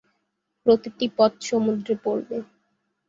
প্রতিটি পথ সমুদ্রে পড়বে।